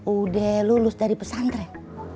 udah lulus dari pesantren